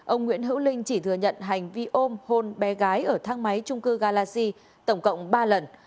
ông nguyễn hữu linh chỉ thừa nhận hành vi ôm hôn bé gái ở thang máy trung cư galaxy tổng cộng ba lần